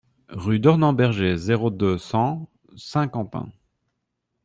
Rue Dornemberger, zéro deux, cent Saint-Quentin